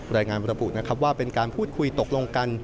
รายงานระบุนะครับว่าเป็นการพูดคุยตกลงกัน